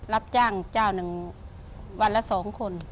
รับจ้างเจ้าหนึ่งวันละ๒คน